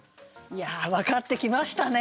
いや分かってきましたね。